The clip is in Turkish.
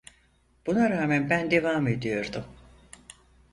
Buna rağmen ben devam ediyordum.